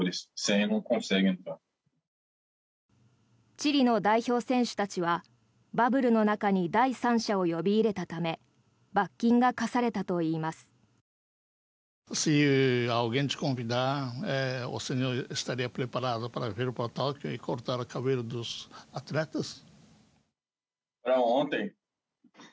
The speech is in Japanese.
チリの代表選手たちはバブルの中に第三者を呼び入れたため罰金が科されたといいます。